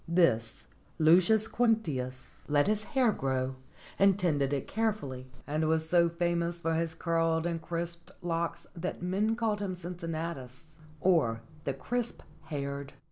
This Lucius Quinctius let his hair grow, and tended it carefully: and was so famous for his curled and crisped locks that men called him Cincinnatus, or the "crisp haired."